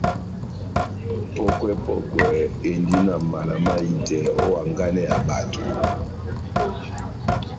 Pɔ́kwɛ-pɔkwɛ endi na mala mahitɛ ó hanganɛ ya bato.